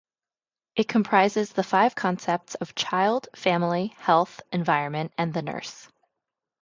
It comprises the five concepts of child, family, health, environment and the nurse.